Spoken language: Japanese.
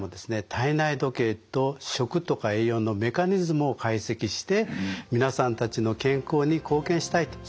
体内時計と食とか栄養のメカニズムを解析して皆さんたちの健康に貢献したいとそんなふうに考えております。